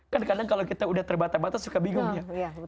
kan kadang kalau kita udah terbata bata suka bingung ya